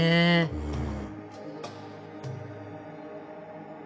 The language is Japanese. うん。